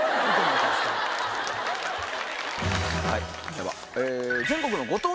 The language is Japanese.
では。